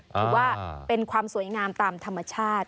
ถือว่าเป็นความสวยงามตามธรรมชาติ